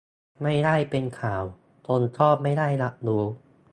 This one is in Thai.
ไม่ได้เป็นข่าว คนก็ไม่ได้รับรู้